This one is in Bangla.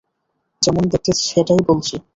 যেমন দেখতে সেটাই বলছি!